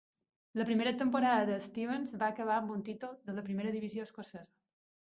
La primera temporada de Stevens va acabar amb un títol de la primera divisió escocesa.